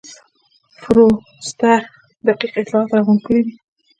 فورسټر دقیق اطلاعات راغونډ کړي دي.